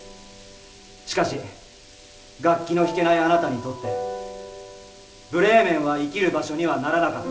しかし楽器の弾けないあなたにとってブレーメンは生きる場所にはならなかった。